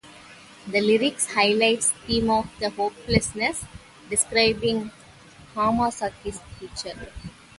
The lyrics highlights theme of the hopelessness, describing Hamasaki's future.